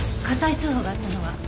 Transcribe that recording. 火災通報があったのは？